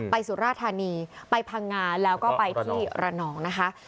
ไปสุราธานีไปพังงานแล้วก็ไปที่ระนอง